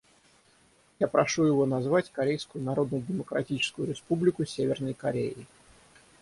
Я прошу его назвать Корейскую Народно-Демократическую Республику «Северной Кореей».